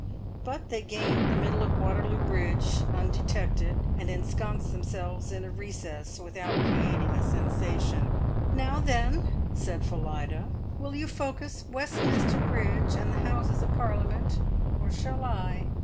But they gained the middle of Waterloo Bridge undetected and ensconced themselves in a recess without creating a sensation. "Now, then," said Phillida, "will you focus Westminster Bridge and the Houses of Parliament, or shall I?"